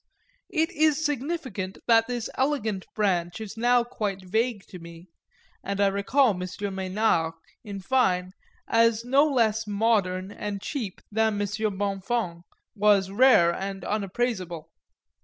It is significant that this elegant branch is now quite vague to me; and I recall M. Mesnard, in fine, as no less modern and cheap than M. Bonnefons was rare and unappraiseable.